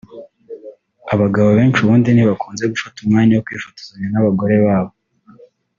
Abagabo benshi ubundi ntibakunze gufata umwanya wo kwifotozanya n’abagore babo